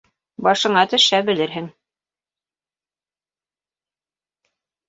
Башыңа төшһә, белерһең.